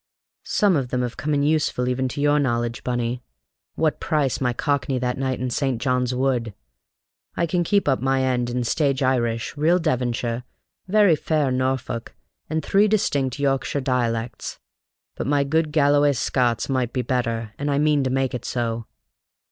Some of them have come in useful even to your knowledge, Bunny: what price my Cockney that night in St. John's Wood? I can keep up my end in stage Irish, real Devonshire, very fair Norfolk, and three distinct Yorkshire dialects. But my good Galloway Scots might be better, and I mean to make it so."